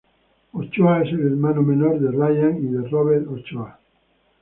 Ochoa es el hermano menor de Ryan y "Robert Ochoa".